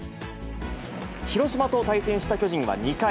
広島と対戦した巨人は２回。